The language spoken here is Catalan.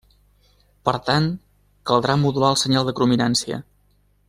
Per tant, caldrà modular el senyal de crominància.